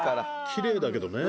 きれいだけどね。